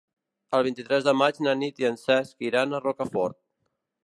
El vint-i-tres de maig na Nit i en Cesc iran a Rocafort.